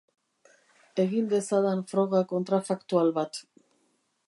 Egin dezadan froga kontrafaktual bat.